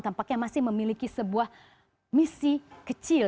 tampaknya masih memiliki sebuah misi kecil